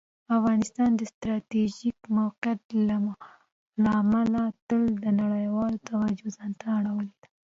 افغانستان د ستراتیژیک موقعیت له امله تل د نړیوالو توجه ځان ته اړولي ده.